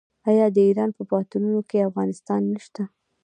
آیا د ایران په پوهنتونونو کې افغانان نشته؟